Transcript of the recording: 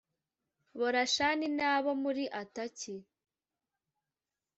borashani n abo muri ataki